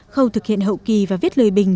khâu thực hiện hậu kỳ và viết lời bình